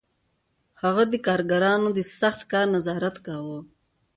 هغه د کارګرانو د سخت کار نظارت کاوه